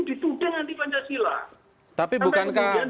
itu aja dilarang